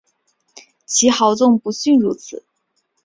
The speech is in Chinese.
其豪纵不逊如此。